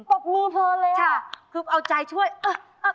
ปกรุงเธอเลยอ่ะใช่คือเอาใจช่วยอ๊ะอ๊ะอ๊ะ